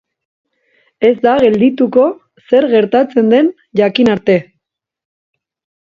Ez da geldituko zer gertatzen den jakin arte.